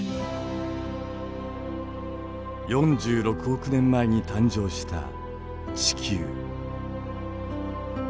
４６億年前に誕生した地球。